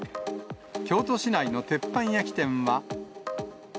京都市内の鉄板焼き店は。